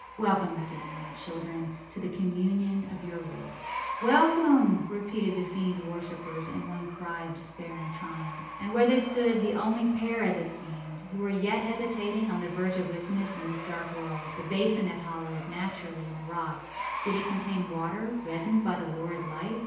Welcome again, my children, to the communion of your race.â âWelcome,â repeated the fiend worshippers, in one cry of despair and triumph. And there they stood, the only pair, as it seemed, who were yet hesitating on the verge of wickedness in this dark world. A basin was hollowed, naturally, in the rock. Did it contain water, reddened by the lurid light?